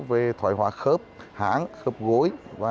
về thoải hóa khớp háng khớp gối